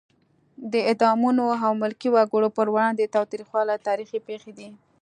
د اعدامونو او ملکي وګړو پر وړاندې تاوتریخوالی تاریخي پېښې دي.